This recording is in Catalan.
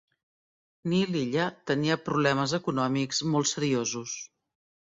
Nil Illa tenia problemes econòmics molt seriosos.